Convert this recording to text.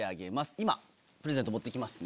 今プレゼント持って来ますね。